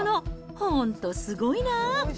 本当、すごいなあ。